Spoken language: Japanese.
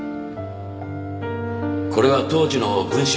これは当時の文集です。